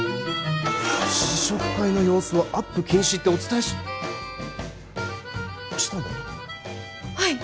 試食会の様子はアップ禁止ってお伝えしたんだよな？